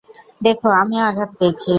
দেখো, আমিও আঘাত পেয়েছি।